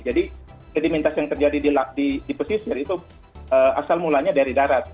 jadi sedimentasi yang terjadi di pesisir itu asal mulanya dari darat